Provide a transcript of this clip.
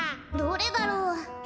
どれだろう。